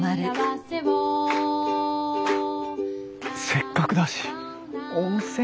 せっかくだし温泉